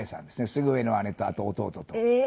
すぐ上の姉とあと弟と。